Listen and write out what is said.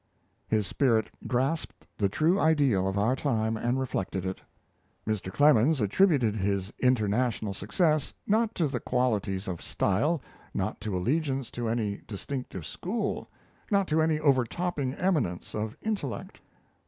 His spirit grasped the true ideal of our time and reflected it. Mr. Clemens attributed his international success not to qualities of style, not to allegiance to any distinctive school, not to any overtopping eminence of intellect.